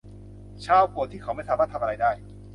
ชาร์ลโกรธที่เขาไม่สามารถทำอะไรได้